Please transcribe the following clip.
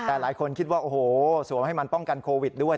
แต่หลายคนคิดว่าโอ้โหสวมให้มันป้องกันโควิดด้วย